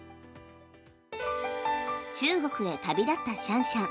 中国へ旅立ったシャンシャン。